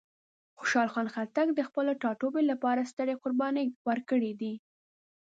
خوشحال خان خټک د خپل ټاټوبي لپاره سترې قربانۍ ورکړې دي.